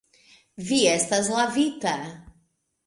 Vi estas lavita.